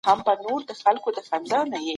کندهاریان د اختر ورځې څنګه لمانځي؟